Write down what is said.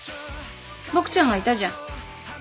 ボクちゃんがいたじゃん。